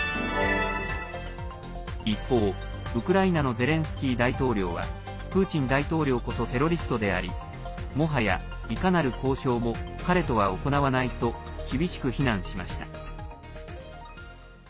一方、ウクライナのゼレンスキー大統領はプーチン大統領こそテロリストでありもはや、いかなる交渉も彼とは行わないと厳しく非難しました。